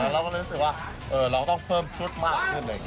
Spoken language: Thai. เราก็เลยรู้สึกว่าเราต้องเพิ่มชุดมากขึ้นเลย